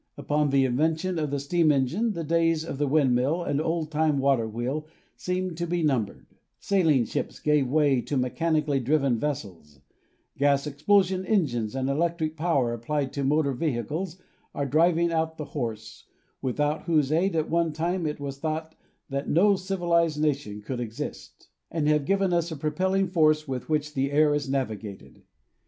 Upon the in vention of the steam engine the days of the windmill and old time water wheel seemed to be numbered ; sailing ships gave way to mechanically driven vessels; gas explosion engines and electric power applied to motor vehicles are driving out the horse, without whose aid at one time it was thought that no civilized nation could exist, and have given us a propelling force with which the air is navigated.